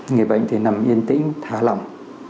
người bệnh thì nằm yên tĩnh thả lỏng